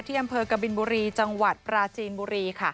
ที่อำคาลกับิลบุรีจังหวัดประจีนบุรี